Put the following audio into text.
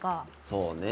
そうね。